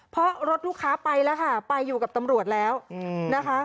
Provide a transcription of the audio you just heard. เพราะรถลูกค้าไปแล้วค่ะไปอยู่กับตำรวจแล้วนะคะ